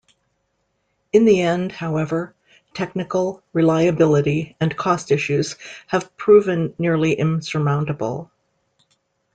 In the end, however, technical, reliability, and cost issues have proven nearly insurmountable.